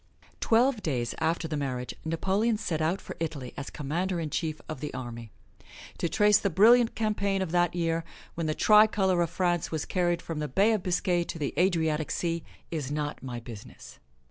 Twelve days after the marriage, Napoleon set out for Italy as Commander in Chief of the army. To trace the brilliant campaign of that year, when the tricolor of France was carried from the Bay of Biscay to the Adriatic Sea, is not my business.